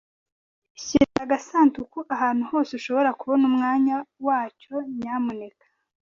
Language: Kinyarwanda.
Shyira agasanduku ahantu hose ushobora kubona umwanya wacyo, nyamuneka.